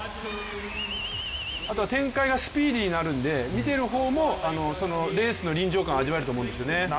あとは展開がスピーディーになるので、見ている方も臨場感を味わえると思いますね。